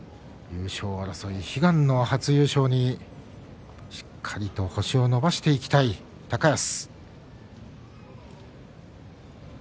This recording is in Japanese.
優勝争い悲願の初優勝に星を伸ばしていきたい高安。